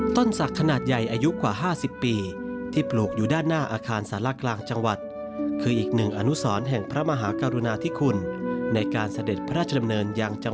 ต้นศักดิ์ขนาดใหญ่อายุกว่า๕๐ปีที่ปลูกอยู่ด้านหน้าอาคารสารกลางจังหวัดคืออีกหนึ่งอนุสรแห่งพระมหากรุณาธิคุณในการเสด็จพระราชดำเนินยังจำ